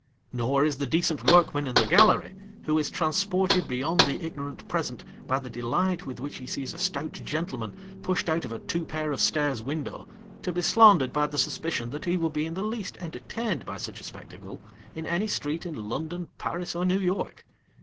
Nor is the decent workman in the gallery, who is transported beyond the ignorant present by the delight with which he sees a stout gentle man pushed out of a two pair of stairs window, to be slandered by the suspicion that he would be in the least entertained by such a spectacle in any street in London, Paris, or New York.